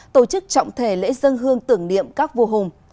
tổ chức trọng thể lễ dân hương tưởng niệm các vua hùng